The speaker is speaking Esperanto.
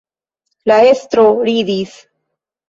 La estro ridis.